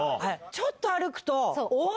ちょっと歩くと。